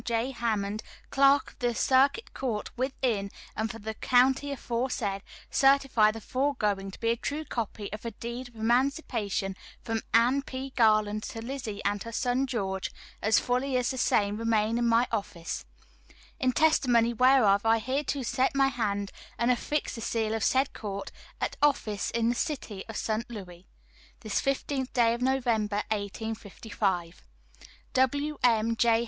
J. Hammond, Clerk of the Circuit Court within and for the county aforesaid, certify the foregoing to be a true copy of a deed of emancipation from Anne P. Garland to Lizzie and her son George, as fully as the same remain in my office. "In testimony whereof I hereto set my hand and affix the seal of said court, at office in the City of St. Louis, this fifteenth day of November, 1855. "WM. J.